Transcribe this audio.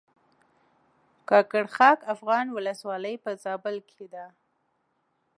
کاکړ خاک افغان ولسوالۍ په زابل کښې ده